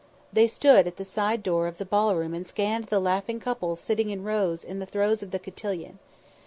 They stood at the side door of the ballroom and scanned the laughing couples sitting in rows in the throes of the cotillon.